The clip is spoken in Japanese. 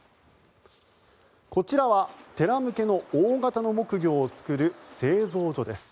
こちらは寺向けの大型の木魚を作る製造所です。